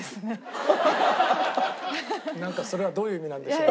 なんかそれはどういう意味なんでしょう？